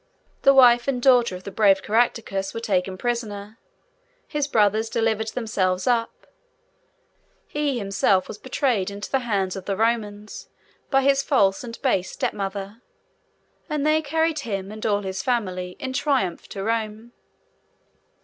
The wife and daughter of the brave Caractacus were taken prisoners; his brothers delivered themselves up; he himself was betrayed into the hands of the Romans by his false and base stepmother: and they carried him, and all his family, in triumph to Rome.